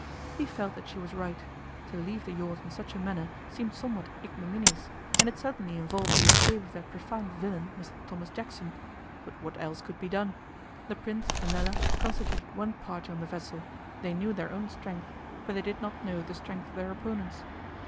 He felt that she was right. To leave the yacht in such a manner seemed somewhat ignominious, and it certainly involved the escape of that profound villain, Mr Thomas Jackson. But what else could be done? The Prince and Nella constituted one party on the vessel; they knew their own strength, but they did not know the strength of their opponents.